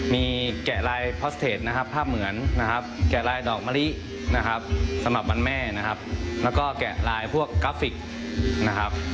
มีแกะลายพอสเตจนะครับภาพเหมือนนะครับ